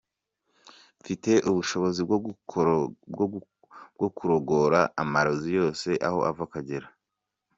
Mfite ubushobozi bwo kurogora amarozi yose aho ava akagera.